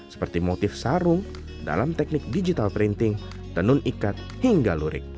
seperti motif sarung dalam teknik digital printing tenun ikat hingga lurik